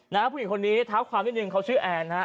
นะครับผู้หญิงคนนี้ท้าความที่หนึ่งเขาชื่อแอนนะครับ